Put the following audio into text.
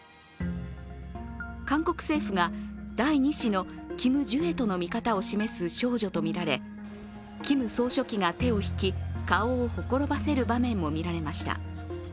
韓国政府が第２子のキム・ジュエとの見方を示す少女とみられ、キム総書記が手を引き、顔をほころばせる場面も見られました。